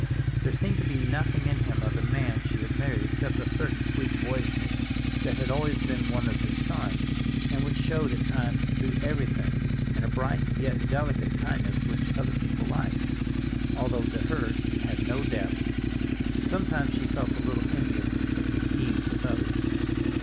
There seemed to be nothing in him of the man she had married except a certain sweet boyishness that had always been one of his charms, and which showed at times through everything, and a bright, yet delicate kindness which other people liked, although to her it had no depth. Sometimes she felt a little envious of his ease with others.